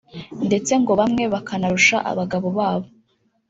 ndetse ngo bamwe bakanarusha abagabo babo